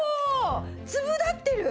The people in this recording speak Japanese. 粒立ってる！